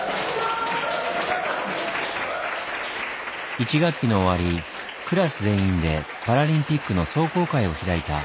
１学期の終わりクラス全員でパラリンピックの壮行会を開いた。